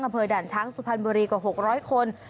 อำเภอด่านช้างสุพรรณบุรีกว่า๖๐๐คน